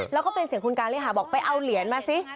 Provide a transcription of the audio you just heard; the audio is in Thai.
แล้วก็เป็นเสียงคุณการเลขาบอกไปเอาเหรียญมาสิ